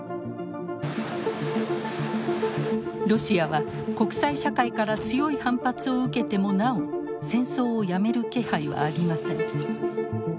ロシアは国際社会から強い反発を受けてもなお戦争をやめる気配はありません。